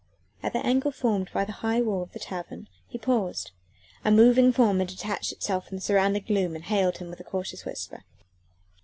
At the angle formed by the high wall of the tavern he paused; a moving form had detached itself from the surrounding gloom and hailed him with a cautious whisper.